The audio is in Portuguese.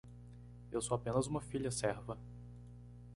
Eu sou apenas uma filha serva.